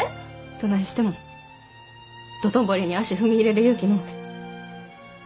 どないしても道頓堀に足踏み入れる勇気のうて。